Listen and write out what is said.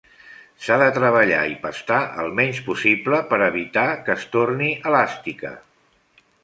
S'ha de treballar i pastar el menys possible per a evitar que es torni elàstica.